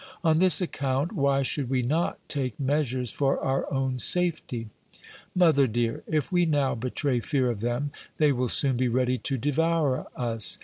On this account why should we not take measures for our own safety ? Mother dear, if we now betray fear of them, they will soon be ready to devour us.